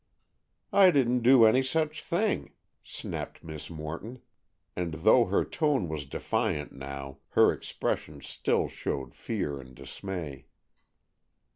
"I didn't do any such thing!" snapped Miss Morton, and though her tone was defiant now, her expression still showed fear and dismay.